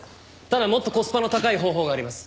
ただもっとコスパの高い方法があります。